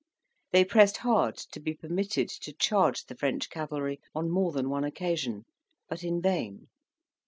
They pressed hard to be permitted to charge the French cavalry on more than one occasion, but in vain.